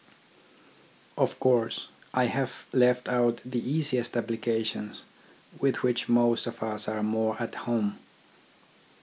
Of course I have left out the easiest applications with which most of us are more at home.